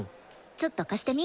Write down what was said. ちょっと貸してみ。